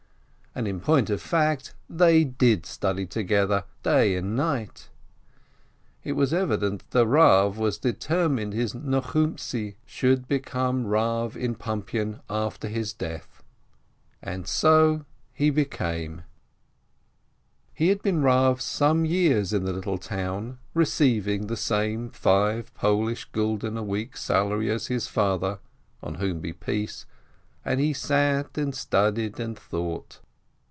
And, in point of fact, they did study to gether day and night. It was evident that the Rav was determined his Nochumtzi should become Rav in Pumpian after his death — and so he became. He had been Rav some years in the little town, re ceiving the same five Polish gulden a week salary as his father (on whom be peace!), and he sat and studied and thought.